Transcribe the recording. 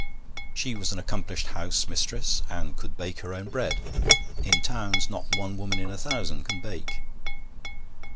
She was an accomplished house mistress, and could bake her own bread: in towns not one woman in a thousand can bake.